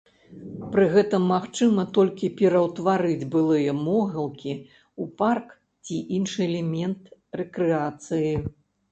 Пры гэтым магчыма толькі пераўтварыць былыя могілкі ў парк ці іншы элемент рэкрэацыі.